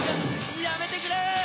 やめてくれ！